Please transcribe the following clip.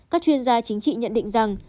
các chuyên gia chính trị nhận định rằng